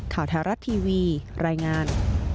ข่าวแท้รัฐทีวีรายงาน